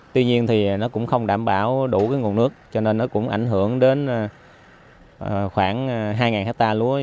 tuy nhiên thì nó cũng không đảm bảo đủ cái nguồn nước cho nên nó cũng ảnh hưởng đến khoảng hai hectare lúa